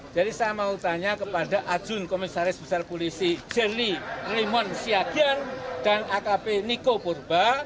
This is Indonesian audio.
jadi saya mau tanya kepada adjun komisaris besar polisi jerni raymond siagian dan akp niko purba